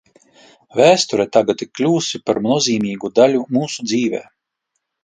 Vēsture tagad ir kļuvusi par nozīmīgu daļu mūsu dzīvē.